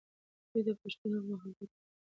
دوی د پښتنو په مخالفت پوهېدلې وو.